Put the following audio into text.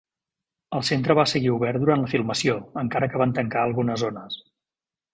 El centre va seguir obert durant la filmació, encara que van tancar algunes zones.